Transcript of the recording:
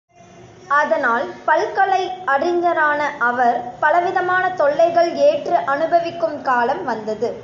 அதனால் பல்கலை அறிஞரான அவர், பலவிதமான தொல்லைகள் ஏற்று அனுபவிக்கும் காலம் வந்தது.